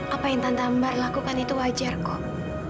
apa yang tante ambar lakukan itu wajar kok